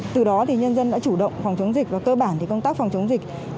từ đó nhân dân đã chủ động phòng chống dịch và cơ bản thì công tác phòng chống dịch